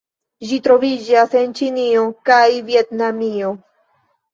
Ĝi troviĝas en Ĉinio kaj Vjetnamio.